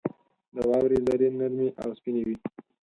• د واورې ذرې نرمې او سپینې وي.